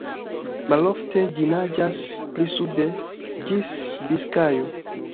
Malofte ĝi naĝas pli sude, ĝis Biskajo.